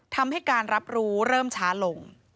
ทำให้การรับรู้เริ่มช้าลง